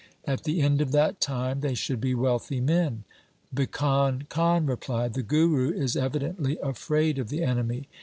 At the end of that time they should be wealthy men. Bhikan Khan replied, ' The Guru is evidently afraid of the enemy.